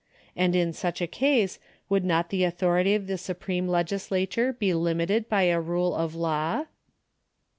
And in such a case would not the authority of the supreme legisla ture be limited by a rule of law